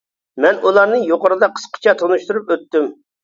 مەن ئۇلارنى يۇقىرىدا قىسقىچە تونۇشتۇرۇپ ئۆتتۈم.